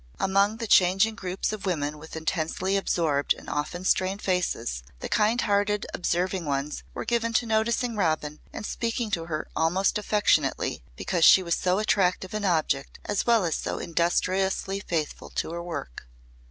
Among the changing groups of women with intensely absorbed and often strained faces the kind hearted observing ones were given to noticing Robin and speaking to her almost affectionately because she was so attractive an object as well as so industriously faithful to her work.